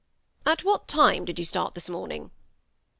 ^ At what time did you start this morning